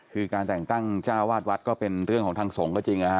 คือการแต่งตั้งจ้าวาดวัดก็เป็นเรื่องของทางสงฆ์ก็จริงนะฮะ